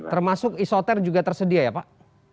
termasuk isoter juga tersedia ya pak